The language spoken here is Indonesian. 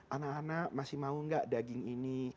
anak anak masih mau nggak daging ini